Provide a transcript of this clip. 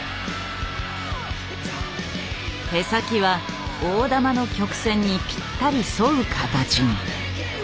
手先は大玉の曲線にぴったり沿う形に。